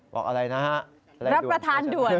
บอกอะไรนะฮะ